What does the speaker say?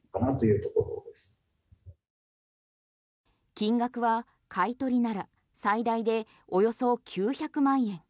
金額は買い取りなら最大でおよそ９００万円。